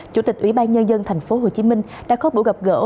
chủ tịch ủy ban nhân dân thành phố hồ chí minh đã có buổi gặp gỡ